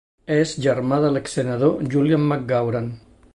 És germà de l'exsenador Julian McGauran.